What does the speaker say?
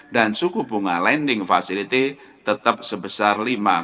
dan suku bunga lending facility tetap sebesar lima dua puluh lima